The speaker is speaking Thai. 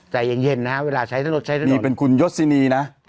ใจเย็นเย็นนะฮะเวลาใช้ถนนใช้ถนนนี่เป็นคุณยศินีนะฮะ